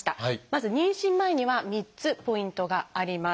まず妊娠前には３つポイントがあります。